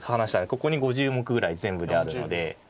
ここに５０目ぐらい全部であるので。